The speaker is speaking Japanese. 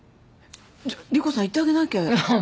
じゃ莉湖さん行ってあげなきゃ。